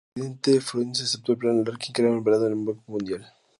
El presidente Frondizi aceptó el "Plan Larkin", que era avalado por el Banco Mundial.